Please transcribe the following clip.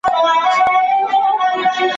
کابینه نظامي اډه نه جوړوي.